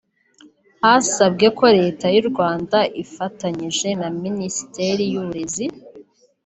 Hasabwe ko Leta y’u Rwanda ifatanyije na Minisiteri y’uburezi